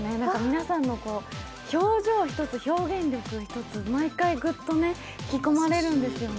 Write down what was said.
皆さんの表情一つ、表現力一つ、毎回グッと引き込まれるんですよね。